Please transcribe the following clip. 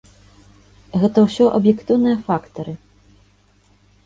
Гэта ўсё аб'ектыўныя фактары.